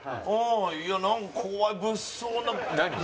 いやなんか怖い物騒な。